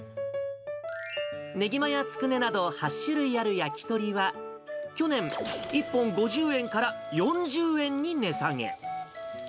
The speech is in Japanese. ねぎまやつくねなど、８種類ある焼き鳥は、去年、１本５０円から４０円に値下げ。